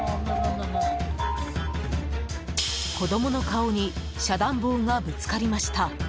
子供の顔に遮断棒がぶつかりました。